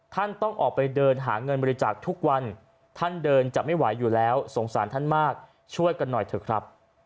ท่านต้องออกไปเดินหาเงินบริจาคทุกวันท่านเดินจะไม่ไหวอยู่แล้วสงสารท่านมากช่วยกันหน่อยเถอะครับ